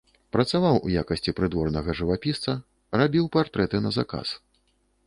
Працаваў у якасці прыдворнага жывапісца, рабіў партрэты на заказ.